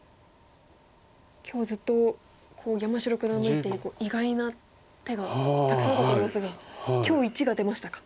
今日ずっと山城九段の一手に意外な手がたくさんあったと思いますが今日イチが出ましたか。